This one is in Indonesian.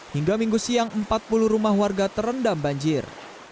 hingga minggu siang empat puluh rumah warga terendam banjir